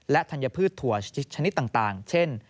และธัญพืชถั่วชนิดต่างเช่น